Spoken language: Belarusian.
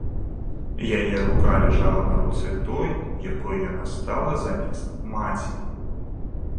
Яе рука ляжала на руцэ той, якой яна стала замест маці.